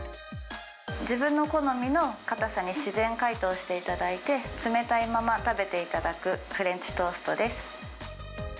自分の好みの硬さに自然解凍していただいて、冷たいまま食べていただくフレンチトーストです。